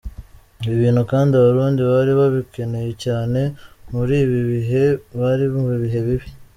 Ibi bintu kandi Abarundi bari babikeneye cyane muri ibi bihe bari mu bihe bibi.